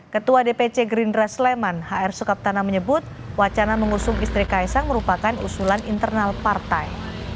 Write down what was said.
ketua dpc gerindra sleman hr sukaptana menyebut wacana mengusung istri kaisang merupakan usulan internal partai